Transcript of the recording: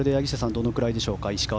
どのくらいでしょうか、石川。